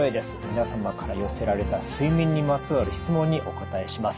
皆様から寄せられた睡眠にまつわる質問にお答えします。